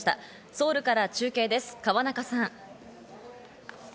ソウルから中継です、河中さん。